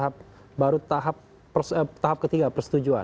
baru tahap ketiga